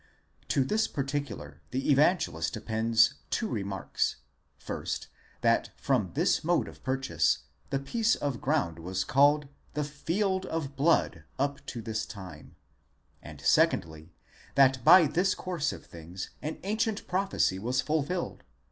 To this particular the Evangelist appends two remarks: first, that from this mode of purchase, the piece of ground was called the Με of blood up to his time: and secondly, that by this course of things an ancient prophecy was fulfilled.